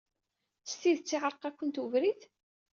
S tidet iɛeṛeq-akent webrid?